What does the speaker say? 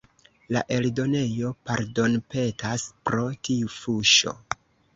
La eldonejo pardonpetas pro tiu fuŝo.